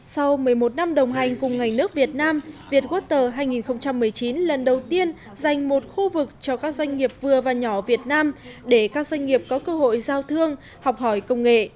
sau một mươi một năm đồng hành cùng ngành nước việt nam vietwater hai nghìn một mươi chín lần đầu tiên dành một khu vực cho các doanh nghiệp vừa và nhỏ việt nam để các doanh nghiệp có cơ hội giao thương học hỏi công nghệ